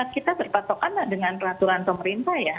kita berpatokanlah dengan peraturan pemerintah ya